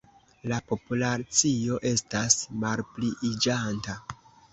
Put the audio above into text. La populacio estas malpliiĝanta.